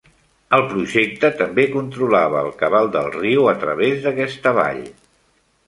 El projecte també controlava el cabal del riu a travès d'aquesta vall.